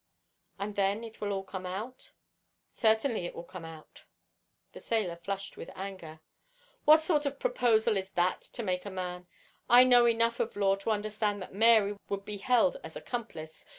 "And then it will all come out?" "Certainly it will come out." The sailor flushed with anger. "What sort of proposal is that to make a man? I know enough of law to understand that Mary would be had as accomplice.